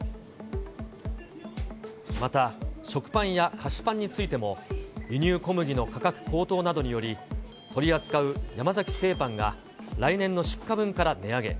また、食パンや菓子パンについても、輸入小麦の価格高騰などにより、取り扱う山崎製パンが、来年の出荷分から値上げ。